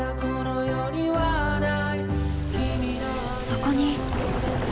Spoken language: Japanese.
そこに。